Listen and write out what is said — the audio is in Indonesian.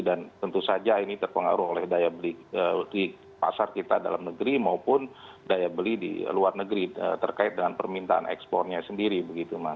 dan tentu saja ini terpengaruh oleh daya beli di pasar kita dalam negeri maupun daya beli di luar negeri terkait dengan permintaan ekspornya sendiri